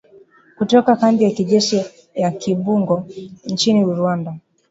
kutoka kambi ya kijeshi ya Kibungo nchini Rwanda